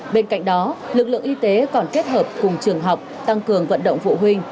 bên cạnh đó lực lượng y tế còn kết hợp cùng trường học tăng cường vận động phụ huynh